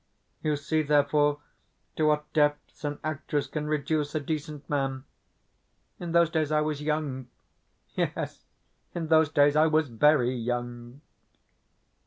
You see, therefore, to what depths an actress can reduce a decent man. In those days I was young. Yes, in those days I was VERY young.